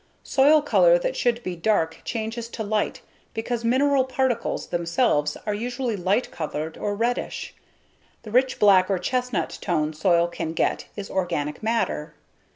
Soil color that should be dark changes to light because mineral particles themselves are usually light colored or reddish; the rich black or chestnut tone soil can get is organic matter.